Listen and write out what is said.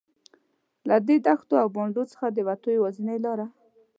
له دې دښتو او بانډو څخه د وتلو یوازینۍ لاره.